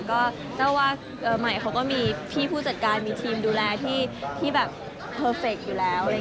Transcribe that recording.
ก็เจ้าว่าใหม่เขาก็มีพี่ผู้จัดการมีทีมดูแลที่แบบเพอร์เฟคอยู่แล้ว